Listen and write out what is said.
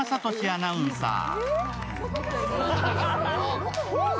アナウンサー。